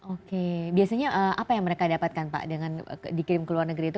oke biasanya apa yang mereka dapatkan pak dengan dikirim ke luar negeri itu